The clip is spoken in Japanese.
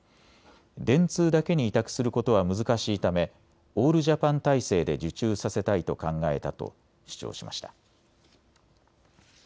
電通だけに委託することは難しいためオールジャパン体制で受注させたいと考えたと主張しました。